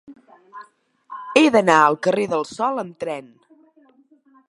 He d'anar al carrer del Sol amb tren.